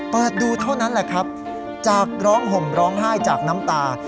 เปิดดูเท่านั้นแหละครับจากร้องห่มร้องไห้จากน้ำตา